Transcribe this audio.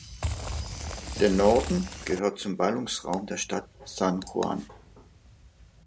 Der Norden gehört zum Ballungsraum der Stadt San Juan.